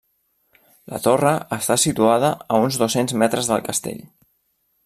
La torre està situada a uns dos-cents metres del castell.